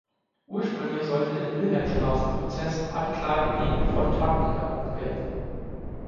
Ursprünglich sollte im Wilhelmstraßen-Prozess Anklage gegen von Thadden erhoben werden.